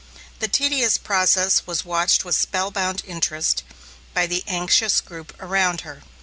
The tedious process was watched with spell bound interest by the anxious group around her.